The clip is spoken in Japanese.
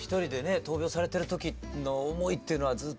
闘病されてる時の思いっていうのはずっと。